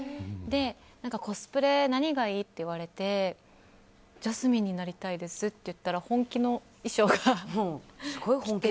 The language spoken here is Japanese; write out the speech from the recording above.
コスプレ、何がいいって言われてジャスミンになりたいですって言ったら本気の衣装が来て。